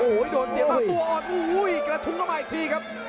โอ้โหโดนเสียบมาตัวอ่อนโอ้โหกระทุมเข้ามาอีกทีครับ